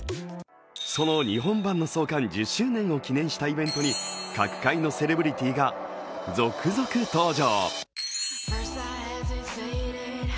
その日本版の創刊１０周年を記念したイベントに各界のセレブリティーが続々登場。